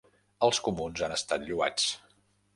Els comuns han estat lloats